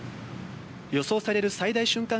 予想される最大瞬間